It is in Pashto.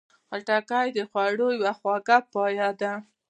خټکی د خوړو یوه خواږه پایه ده.